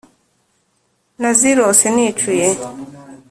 Nazirose nicuye